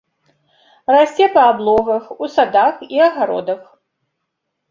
Расце па аблогах, у садах і агародах.